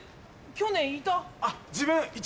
去年いた？